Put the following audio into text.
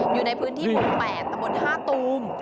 อยู่ในพื้นที่๐๘ตร๕ตูม